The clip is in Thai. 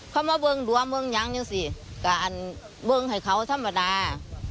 เขามาเวิงรังเมืองอยากสิกับอันเวิงให้เขาธรรมดา